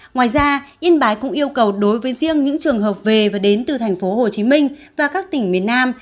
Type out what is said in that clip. ngoài ra yên bái cũng yêu cầu đối với riêng những trường hợp về và đến từ tp hcm và các tỉnh miền nam